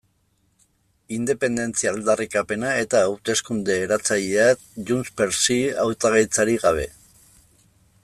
Independentzia aldarrikapena eta hauteskunde eratzaileak JxSí hautagaitzarik gabe.